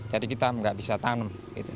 jadi kita nggak bisa tanam